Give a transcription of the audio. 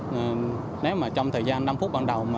nếu mà chẳng may sẽ ra cháy thì sẽ có lực lượng chữa cháy tại chỗ